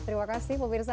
terima kasih pak mirza